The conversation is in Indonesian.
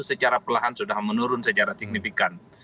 secara perlahan sudah menurun secara signifikan